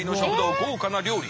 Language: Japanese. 豪華な料理。